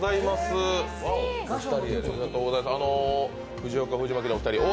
藤岡藤巻のお二人です。